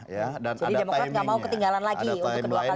demokrat nggak mau ketinggalan lagi untuk kedua kalinya